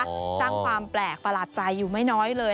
สร้างความแปลกประหลาดใจอยู่ไม่น้อยเลย